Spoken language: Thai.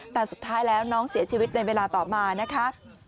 แต่สุดท้ายแล้วน้องเสียชีวิตในเวลาต่อมานะคะ